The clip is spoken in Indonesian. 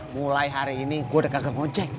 mulai hari ini gue udah gagal mocek